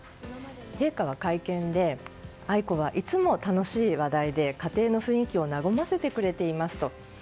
陛下は会見で愛子はいつも楽しい話題で家庭の雰囲気を和ませてくれていますと。